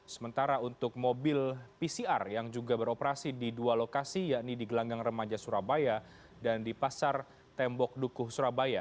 sementara untuk mobil pcr yang juga beroperasi di dua lokasi yakni di gelanggang remaja surabaya dan di pasar tembok dukuh surabaya